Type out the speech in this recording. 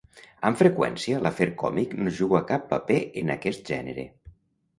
Amb freqüència l'afer còmic no juga cap paper en aquest gènere.